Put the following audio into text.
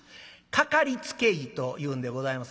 かかりつけ医というんでございますかね。